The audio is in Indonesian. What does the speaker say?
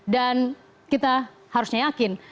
dan kita harusnya yakin